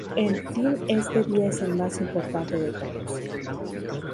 En fin este día es el más importante de todos.